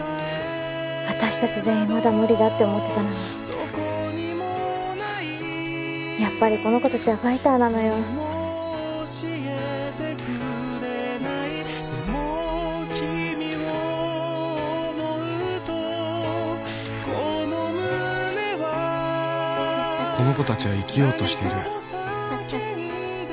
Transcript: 私たち全員まだムリだって思ってたのにやっぱりこの子たちはファイターなのよこの子たちは生きようとしてる